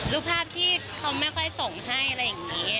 รูปภาพที่เขาไม่ค่อยส่งให้อะไรอย่างนี้